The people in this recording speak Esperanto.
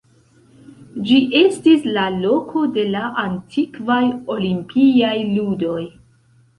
Ĝi estis la loko de la antikvaj olimpiaj ludoj.